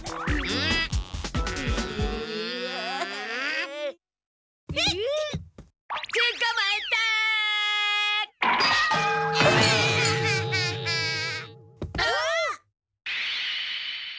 ああ。